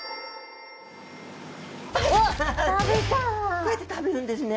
こうやって食べるんですね。